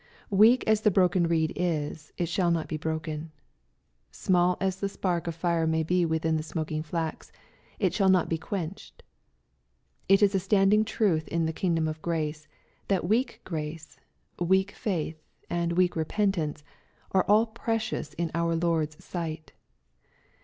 Weak as the broken reed is, it shall not be broken. Small as the spark of fire may be within the smoking flax, it shall not be quenched. It is a standing truth in the kingdom of grace, that weak grace, weak faith, and weak repentance, are all precious in our Lord's sight.